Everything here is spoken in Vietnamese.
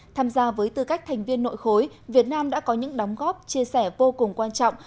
tham gia với tư cách thành viên nội khối việt nam đã có những đóng góp chia sẻ vô cùng quan trọng